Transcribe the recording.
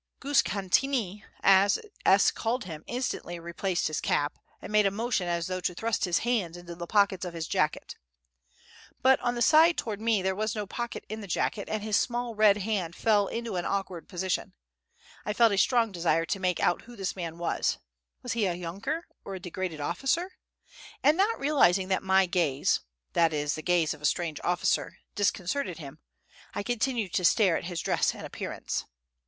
Guskantni, as S. called him, instantly replaced his cap, and made a motion as though to thrust his hands into the pockets of his jacket; [Footnote: Polushubok, little half shuba, or fur cloak.] but on the side toward me there was no pocket in the jacket, and his small red hand fell into an awkward position. I felt a strong desire to make out who this man was (was he a yunker, or a degraded officer?), and, not realizing that my gaze (that is, the gaze of a strange officer) disconcerted him, I continued to stare at his dress and appearance.